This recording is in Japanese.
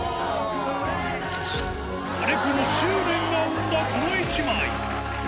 金子の執念が生んだこの一枚。